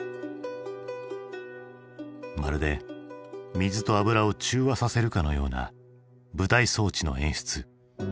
まるで水と油を中和させるかのような舞台装置の演出。